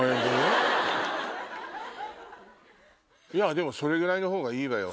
でもそれぐらいの方がいいわよ。